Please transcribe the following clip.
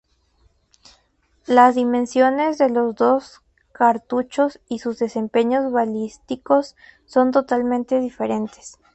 Las dimensiones de los dos cartuchos y sus desempeños balísticos son totalmente diferentes.